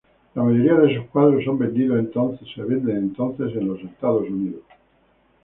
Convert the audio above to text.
La mayoría de sus cuadros son vendidos entonces en Estados Unidos.